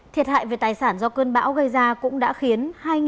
thiệt hại về tài sản do cơn bão gây ra cũng đã khiến